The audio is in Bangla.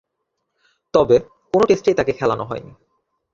তবে, কোন টেস্টেই তাকে খেলানো হয়নি।